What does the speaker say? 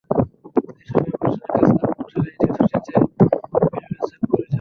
তাই সরকারি প্রতিষ্ঠানে কাজ করা মানুষেরা ঈদের ছুটিতে মিলতে চান পরিজন-প্রিয়জনদের সঙ্গে।